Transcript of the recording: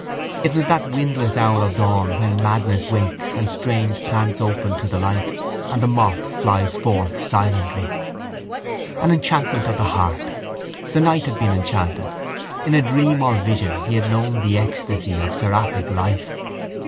It was that windless hour of dawn when madness wakes and strange plants open to the light and the moth flies forth silently. An enchantment of the heart! The night had been enchanted. In a dream or vision he had known the ecstasy of seraphic life.